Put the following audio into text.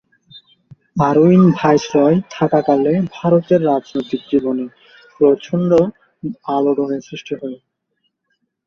Irwin viceroy থাকাকালে ভারতের রাজনৈতিক জীবনে প্রচন্ড আলোড়নের সৃষ্টি হয়।